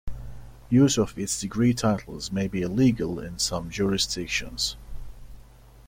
Use of its degree titles may be illegal in some jurisdictions.